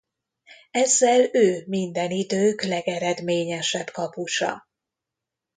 Ezzel ő minden idők legeredményesebb kapusa.